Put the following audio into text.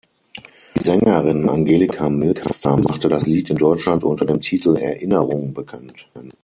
Die Sängerin Angelika Milster machte das Lied in Deutschland unter dem Titel "Erinnerung" bekannt.